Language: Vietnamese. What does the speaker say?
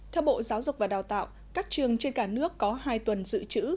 theo bộ giáo dục và đào tạo các trường trên cả nước có hai tuần dự trữ